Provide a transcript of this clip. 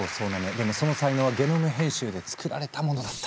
でもその才能はゲノム編集で作られたものだった。